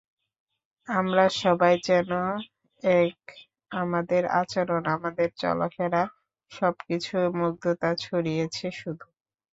আমরা সবাই যেন এক, আমাদের আচরণ, আমাদের চলাফেরা সবকিছু মুগ্ধতা ছড়িয়েছে শুধু।